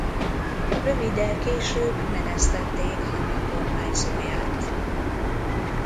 Röviddel később menesztették Hamá kormányzóját.